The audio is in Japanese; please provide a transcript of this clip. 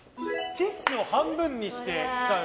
ティッシュを半分にして使う。